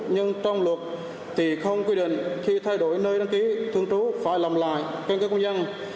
nhưng trong luật thì không quy định khi thay đổi nơi đăng ký thường trú phải làm lại căn cứ công dân